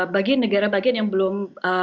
bagi negara bagian yang belum